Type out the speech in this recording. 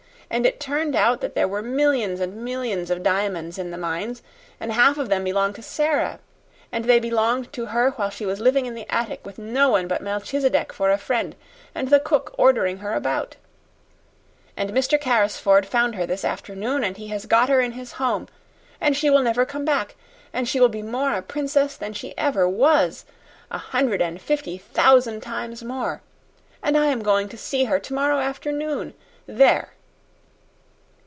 And it turned out that there were millions and millions of diamonds in the mines; and half of them belong to Sara; and they belonged to her when she was living in the attic with no one but Melchisedec for a friend, and the cook ordering her about. And Mr. Carrisford found her this afternoon, and he has got her in his home and she will never come back and she will be more a princess than she ever was a hundred and fifty thousand times more. And I am going to see her tomorrow afternoon. There!"